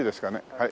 はい。